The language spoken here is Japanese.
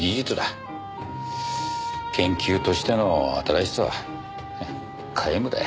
研究としての新しさは皆無だよ。